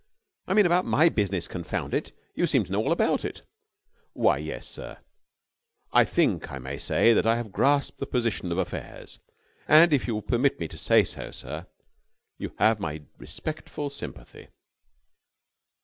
"I mean, about my business, confound it! You seem to know all about it!" "Why, yes, sir, I think I may say that I have grasped the position of affairs. And, if you will permit me to say so, sir, you have my respectful sympathy."